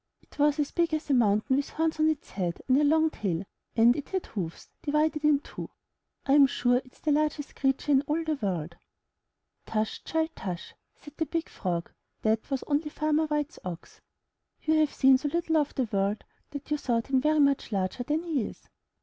It was as big as a mountain, with horns on its head, and a long tail, and it had hoofs divided in two. Fm sure it*s the largest creature in all the world/* 'Tush, child, tush!" said the Big Frog, "that was only Farmer Whitens Ox. You have seen so little of the world, that you thought him very much larger than he is.